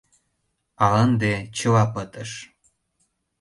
А ынде чыла пытыш.